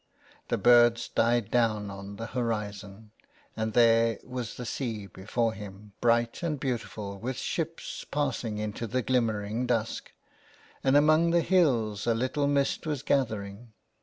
The birds died down on the horizon, and there was the sea before him, bright and beautiful, with ships 387 THE WILD GOOSE. passing into the glimmering dusk, and among the hills a little mist was gathering.